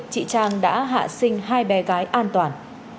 chị trang đã hạ sinh hai bé gái an toàn